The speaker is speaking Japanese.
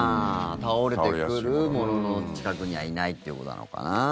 倒れてくるものの近くにはいないってことなのかな。